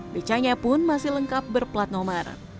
becanya pun masih lengkap berplat nomor